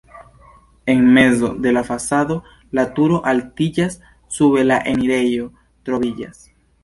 En mezo de la fasado la turo altiĝas, sube la enirejo troviĝas.